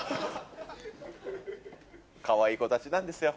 かわいい子たちなんですよ